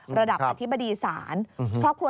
โปรดติดตามต่อไป